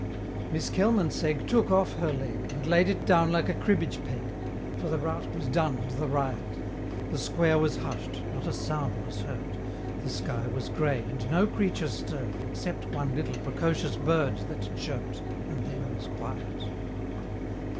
Miss Kilmansegg took off her leg, And laid it down like a cribbage peg, For the Rout was done and the riot: The Square was hush'd; not a sound was heard; The sky was gray, and no creature stirr'd, Except one little precocious bird, That chirp'd and then was quiet.